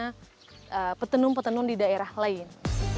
bisa jadi penenung penenung di daerah lain